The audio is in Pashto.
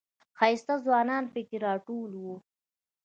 ښایسته ځوانان پکې راټول و.